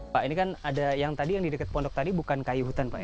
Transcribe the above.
pak ini kan ada yang tadi yang di dekat pondok tadi bukan kayu hutan pak ya